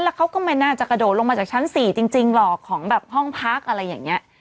แล้วเขาก็ไม่น่าจะกระโดดลงมาจากชั้น๔จริงหรอกของแบบห้องพักอะไรอย่างนี้